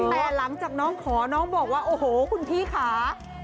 แต่หลังจากน้องขอน้องบอกว่าโอ้โหคุณพี่ค่ะ